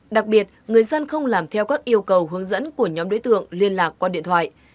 đặc biệt người dân không làm theo các yêu cầu hướng dẫn của nhóm đối tượng liên lạc qua điện thoại